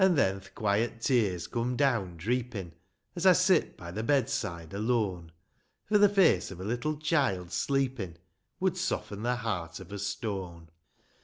An' then the quiet tears come down dreepin' ; As I sit by the bedside alone ; For the face of a Httle child sleepin' Would soften the heart of a stone.